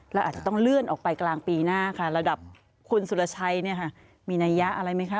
เราอาจจะต้องเลื่อนออกไปกลางปีหน้าค่ะระดับคุณสุรชัยเนี่ยค่ะมีนัยยะอะไรไหมคะ